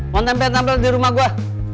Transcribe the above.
mau tampil tampil di rumah gua